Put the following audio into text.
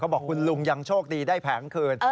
บอกคุณลุงยังโชคดีได้แผงคืน